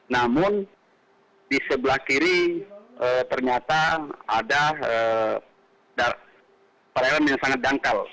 namun di sebelah kiri ternyata ada perairan yang sangat dangkal